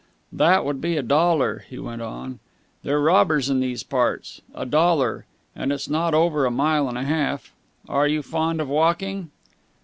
"That would be a dollar," he went on. "They're robbers in these parts! A dollar! And it's not over a mile and a half. Are you fond of walking?"